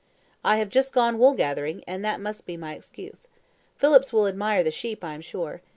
"I have just gone wool gathering, and that must be my excuse. Phillips will admire the sheep, I am sure.